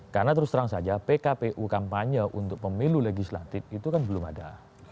karena terus terang saja pkpu kampanye untuk pemilu legislatif itu kan belum ada